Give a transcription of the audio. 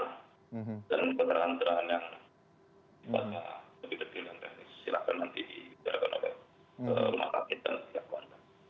rumah sakit dan siapkan